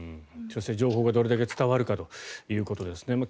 そして、情報がどれだけ伝わるかということですね。